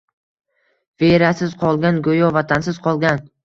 Verasiz qolgan go’yo vatansiz qolgan